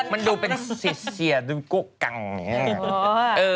มันดูเป็นเซียดูกุกังแบบนี้